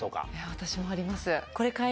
私もあります。